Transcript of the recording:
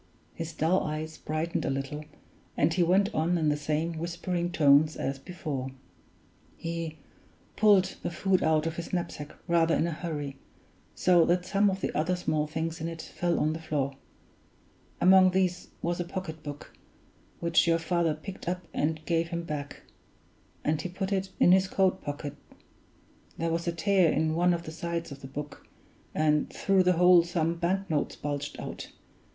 His dull eyes brightened a little, and he went on in the same whispering tones as before: "He pulled the food out of his knapsack rather in a hurry, so that some of the other small things in it fell on the floor. Among these was a pocketbook, which your father picked up and gave him back; and he put it in his coat pocket there was a tear in one of the sides of the book, and through the hole some bank notes bulged out.